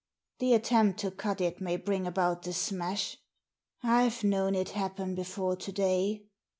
The attempt to cut it may bring about the smash. I've known it happen before to day."